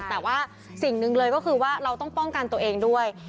แต่ว่าสิ่งหนึ่งเลยก็คือว่าเราต้องป้องกันตัวเองด้วย